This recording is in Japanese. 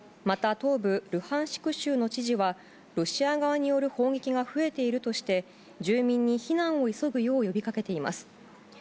また、東部ルハンシク州の知事は、ロシア側による砲撃が増えているとして、住民に避難を急ぐよう呼びかけています。